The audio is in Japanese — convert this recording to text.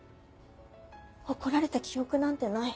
怒られた記憶なんてない。